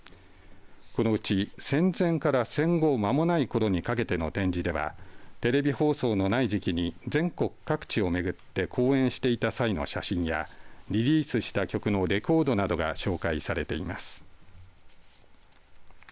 このうち戦前から戦後まもないころにかけての展示ではテレビ放送のない時期に全国各地を巡って公演していた際の写真やリリースした曲のレコードなどが紹介されています。